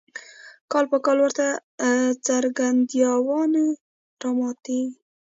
کال په کال ورته ګرځندویان راماتېږي.